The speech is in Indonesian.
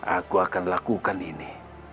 aku akan lakukan ini